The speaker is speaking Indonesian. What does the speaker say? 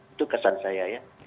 itu kesan saya ya